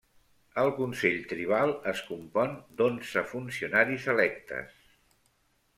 El consell tribal es compon d'onze funcionaris electes.